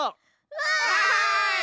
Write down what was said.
わい！